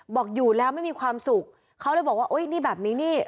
บอกอยู่แล้วไม่มีความสุขเขาเลยบอกว่าอุ้ยนี่แบบนี้นี่